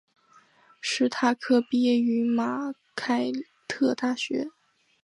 史塔克毕业于马凯特大学。